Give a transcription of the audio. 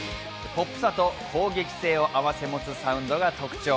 ポップさと攻撃性を併せ持つサウンドが特徴。